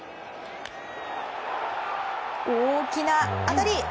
大きな当たり。